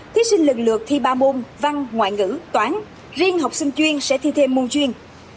thí sinh lần lượt thi ba môn văn ngoại ngữ toán riêng học sinh chuyên sẽ thi thêm môn chuyên